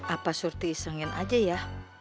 apa surti isengin aja ya